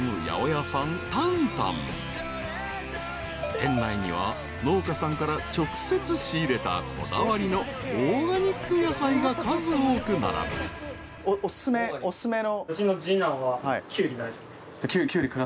［店内には農家さんから直接仕入れたこだわりのオーガニック野菜が数多く並ぶ］お薦めの。